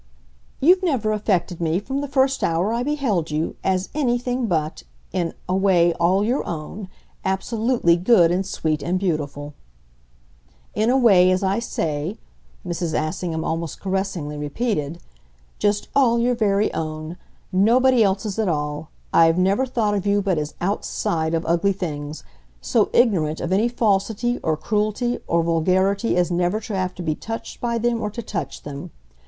"You've never affected me, from the first hour I beheld you, as anything but in a way all your own absolutely good and sweet and beautiful. In a way, as I say," Mrs. Assingham almost caressingly repeated, "just all your very own nobody else's at all. I've never thought of you but as OUTSIDE of ugly things, so ignorant of any falsity or cruelty or vulgarity as never to have to be touched by them or to touch them.